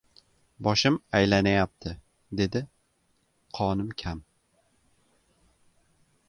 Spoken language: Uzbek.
«Boshim aylanayapti, — dedi. — Qonim kam».